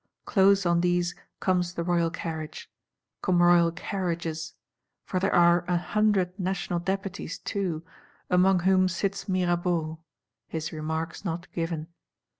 Close on these comes the Royal Carriage; come Royal Carriages: for there are an Hundred National Deputies too, among whom sits Mirabeau,—his remarks not given.